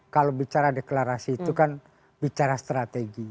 kalau bicara deklarasi itu kan bicara strategi